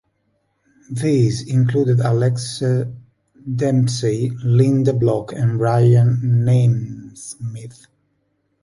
These included Alex Dempsey, Lynda Block and Ryan Naysmith.